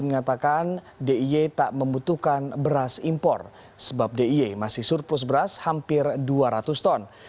mengatakan d i e tak membutuhkan beras impor sebab d i e masih surplus beras hampir dua ratus ton